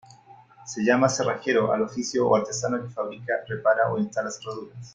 Se llama cerrajero al oficio o artesano que fabrica, repara o instala cerraduras.